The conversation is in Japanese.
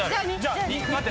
待って。